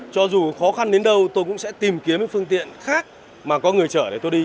cho dù khó khăn đến đâu tôi cũng sẽ tìm kiếm phương tiện khác mà có người chở để tôi đi